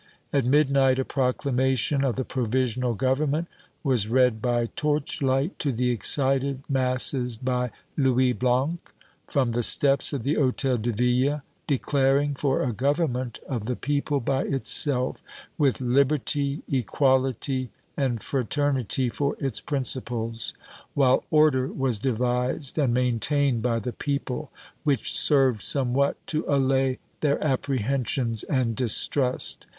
At midnight a proclamation of the Provisional Government was read by torchlight to the excited masses by Louis Blanc, from the steps of the Hôtel de Ville, declaring for a government of the people by itself, with liberty, equality and fraternity for its principles, while order was devised and maintained by the people which served somewhat to allay their apprehensions and distrust.